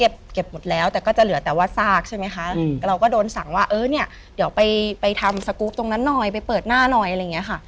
เปิดหน้าหน่อยอะไรอย่างเงี้ยค่ะ